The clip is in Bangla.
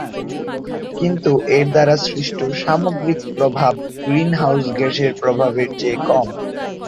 কিন্তু এর দ্বারা সৃষ্ট সামগ্রিক প্রভাব গ্রিন হাউজ গ্যাসের প্রভাবের চেয়ে কম।